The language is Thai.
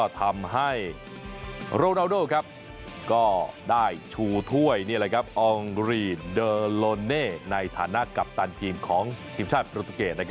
ทำให้โรนาโดได้ชู่ถ้วยองค์รีนเดอร์โลเน่ในฐานะกัปตันทีมของช่วยปรุตุเกต